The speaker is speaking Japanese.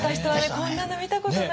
「こんなの見たことない！」